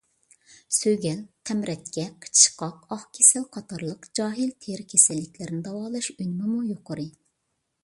سۆگەل، تەمرەتكە، قىچىشقاق، ئاق كېسەل قاتارلىق جاھىل تېرە كېسەللىكلەرنى داۋالاش ئۈنۈمىمۇ يۇقىرى.